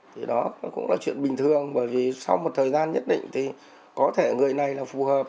thì đó nó cũng là chuyện bình thường bởi vì sau một thời gian nhất định thì có thể người này là phù hợp